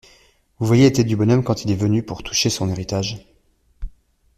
Vous voyez la tête du bonhomme quand il est venu pour toucher son héritage !